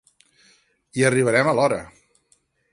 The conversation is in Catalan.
Hi arribarem a l'hora.